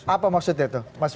apa maksudnya itu mas bhm